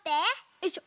よいしょ。